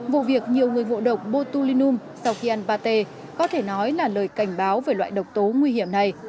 vì vậy vụ việc nhiều người ngộ độc botulinum sau khi ăn ba t có thể nói là lời cảnh báo về loại độc tố nguy hiểm này